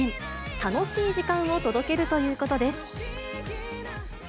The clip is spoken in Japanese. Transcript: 楽しい時間を届けるということです。